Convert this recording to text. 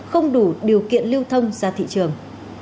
không đủ điều kiện lưu thông ra thị trường